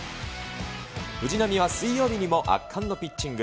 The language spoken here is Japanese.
藤浪は水曜日にも圧巻のピッチング。